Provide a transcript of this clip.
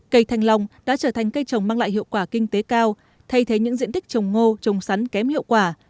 cây thanh long đã trở thành cây trồng mang lại hiệu quả kinh tế cao thay thế những diện tích trồng ngô trồng sắn kém hiệu quả